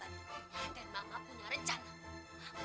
dan mama punya rencana